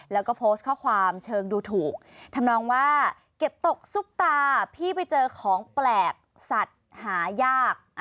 แล้วก็โพสต์ข้อความเชิงดูถูกทำนองว่าเก็บตกซุปตาพี่ไปเจอของแปลกสัตว์หายาก